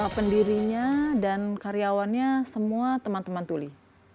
pendirinya dan karyawannya semua teman teman tuli